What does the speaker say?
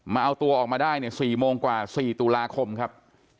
มาเอาตัวออกมาได้เนี่ย๔โมงกว่า๔ตุลาคมครับ